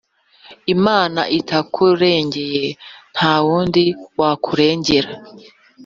Imana itakurengeye ntawundi wakurengera